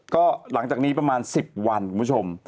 ก็หลังจากนี้ประมาณ๑๐วันคุณผู้ชม